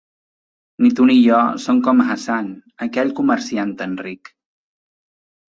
Ni tu ni jo som com Hassan, aquell comerciant tan ric.